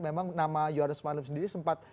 memang nama johannes marlin sendiri sempat